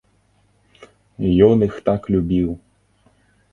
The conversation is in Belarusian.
Ён іх так любіў.